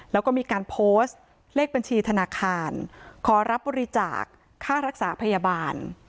แล้วก็มีการโพสต์เลขบัญชีธนาคารขอรับบริจาคค่ารักษาพยาบาล